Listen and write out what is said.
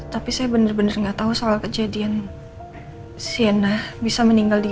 tapi saya benar benar nggak tahu soal kejadian sienna bisa meninggal di